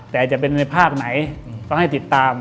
แต่จะเป็นในภาคไหนต้องให้ติดตาม